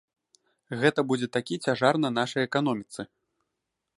Гэта будзе такі цяжар на нашай эканоміцы.